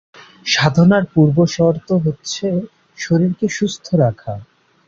সাধনার পূর্বশর্ত হচ্ছে শরীরকে সুস্থ রাখা।